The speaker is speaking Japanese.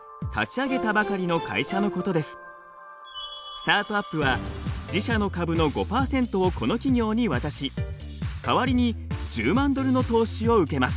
スタートアップは自社の株の５％をこの企業に渡し代わりに１０万ドルの投資を受けます。